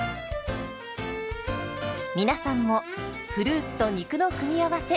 皆さんもフルーツと肉の組み合わせ